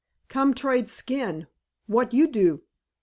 "Come trade skin. What you do?"